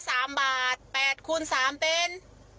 ตัวละ๓บาท๘คูณ๓เป็น